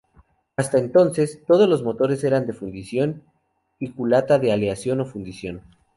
Hasta entonces, todos los motores eran de fundición y culata de aleación o fundición.